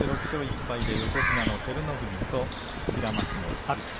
６勝１敗で横綱の照ノ富士と平幕の阿炎。